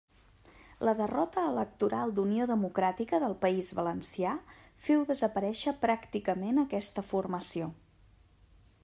La derrota electoral d'Unió Democràtica del País Valencià féu desaparèixer pràcticament aquesta formació.